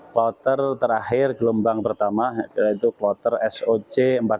kloter terakhir gelombang pertama yaitu kloter soc empat puluh